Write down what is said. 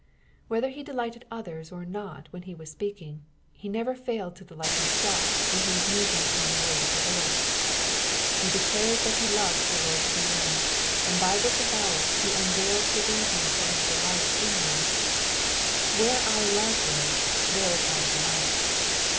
Whether he delighted others or not when he was speaking, he never failed to delight himself when he was musing on the word of the Lord. He declares that he loved the Lord's commands, and by this avowal he unveils the reason for his delight in them : where our love is, there is our delight.